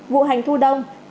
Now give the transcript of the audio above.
vụ hành thu đông